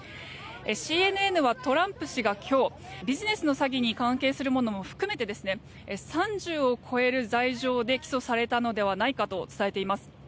ＣＮＮはトランプ氏が今日ビジネスの詐欺に関係するものも含めて３０を超える罪状で起訴されたのではないかと伝えています。